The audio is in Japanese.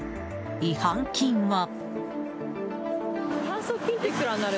違反金は。